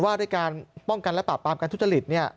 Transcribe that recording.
ว่าด้วยการป้องกันและปราบปรามการทุจริต